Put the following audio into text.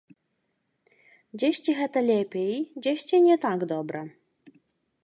Дзесьці гэта лепей, дзесьці не так добра.